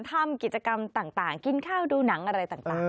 ทำกิจกรรมต่างกินข้าวดูหนังอะไรต่าง